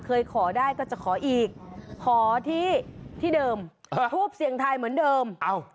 ขอได้ก็จะขออีกขอที่ที่เดิมทูปเสียงทายเหมือนเดิม